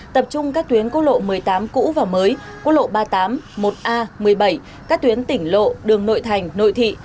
tập trung các tuyến quốc lộ một mươi tám cũ và mới cốt lộ ba mươi tám một a một mươi bảy các tuyến tỉnh lộ đường nội thành nội thị